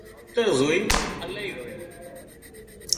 ماوتر زوئينَ الاهي رويان